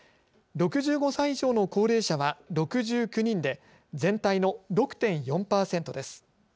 ６５歳以上の高齢者は６９人で全体の６．４％です。